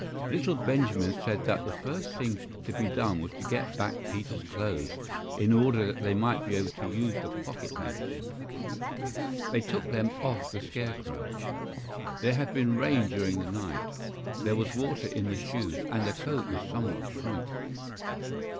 LITTLE Benjamin said that the first thing to be done was to get back Peter's clothes, in order that they might be able to use the pocket handkerchief. They took them off the scarecrow. There had been rain during the night; there was water in the shoes, and the coat was somewhat shrunk.